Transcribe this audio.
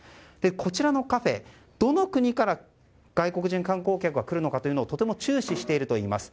こちらのカフェ、どの国から外国人観光客が来るかをとても注視しているといいます。